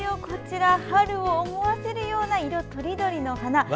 こちら、春を思わせるような色とりどりの花。